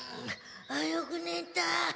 あっよくねた。